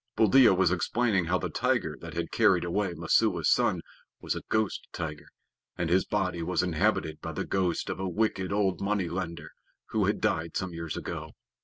Buldeo was explaining how the tiger that had carried away Messua's son was a ghost tiger, and his body was inhabited by the ghost of a wicked, old money lender, who had died some years ago.